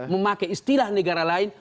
memakai istilah negara lain